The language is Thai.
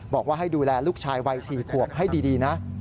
บอกว่าให้ดูแลลูกชายวัย๔ขวบให้ดีนะ